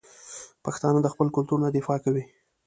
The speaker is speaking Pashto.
پښتانه د خپل کلتور نه دفاع کوي.